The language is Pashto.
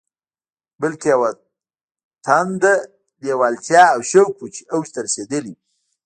بلکې يوه تنده، لېوالتیا او شوق و چې اوج ته رسېدلی و.